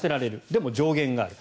でも上限がある。